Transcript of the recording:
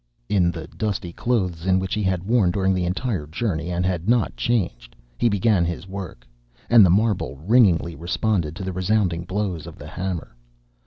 In the dusty clothes which he had worn during the entire journey and had not changed, he began his work, and the marble ringingly responded to the resounding blows of the hammer.